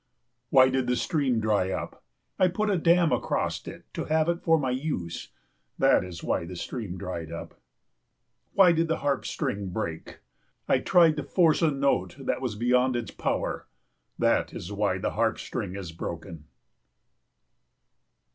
Why did the stream dry up? I put a dam across it to have it for my use, that is why the stream dried up. Why did the harp string break? I tried to force a note that was beyond its power, that is why the harp string is broken.